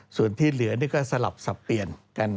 ส่วนที่เหลือนี่ก็สลับสับเปลี่ยนกัน